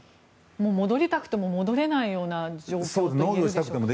戻りたくても戻れない状況といえるでしょうね。